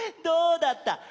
どうだった？